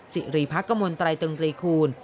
สิริพักกมลตรายตึงตรีคูณ